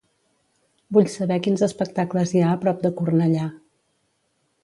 Vull saber quins espectacles hi ha a prop de Cornellà.